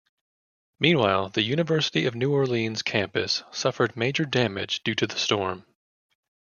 Meanwhile, the University of New Orleans campus suffered major damage due to the storm.